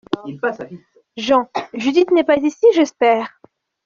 JEAN : Judith n’est pas ici, j’espère ?